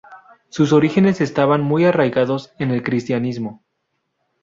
Sus orígenes estaban muy arraigados en el cristianismo.